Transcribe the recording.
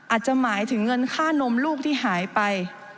อาจจะหมายถึงเงินค่านมลูกที่หายไป